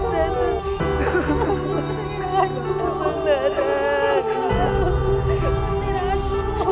tidak akan berpasangan